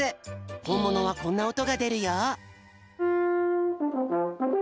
ほんものはこんなおとがでるよ。